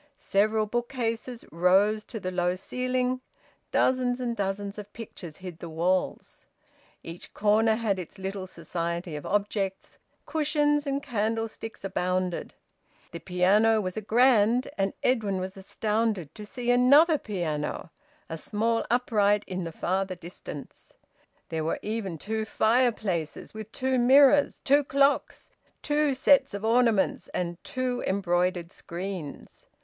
Several bookcases rose to the low ceiling; dozens and dozens of pictures hid the walls; each corner had its little society of objects; cushions and candlesticks abounded; the piano was a grand, and Edwin was astounded to see another piano, a small upright, in the farther distance; there were even two fireplaces, with two mirrors, two clocks, two sets of ornaments, and two embroidered screens.